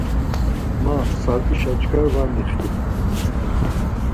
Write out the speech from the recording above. Ma Sarpişa çkar var mixtimun.